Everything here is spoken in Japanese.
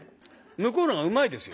向こうのほうがうまいですよ。